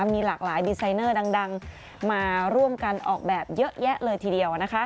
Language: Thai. มีหลากหลายดีไซเนอร์ดังมาร่วมกันออกแบบเยอะแยะเลยทีเดียว